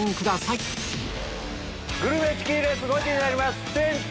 グルメチキンレースゴチになります！